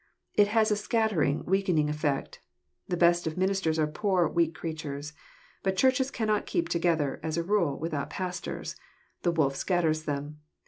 It has a scattering, weakening effect. The best of ministers are poor, weak creatures. But Churches cannot keep together, as a rule, without pastors; the wolf scatters them.